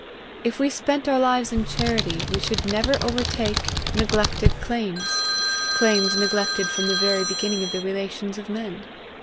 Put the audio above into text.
If we spent our lives in charity we should never overtake neglected claims claims neglected from the very beginning of the relations of men.